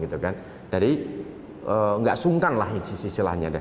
jadi tidak sungkanlah istilahnya